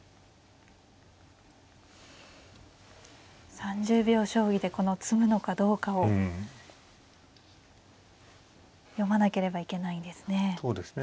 ３０秒将棋でこの詰むのかどうかを読まなければいけないんですね。